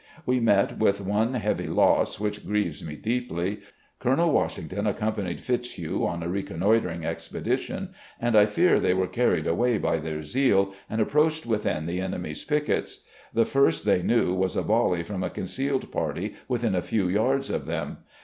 We met "with one heavy loss which grieves me deeply: Colonel Washington accompanied Fitzhugh on a recon noitering expedition, and I fear they were carried away by their zeal and approached within the enemy's pickets. The first they knew was a volley from a concealed party •within a few yards of them.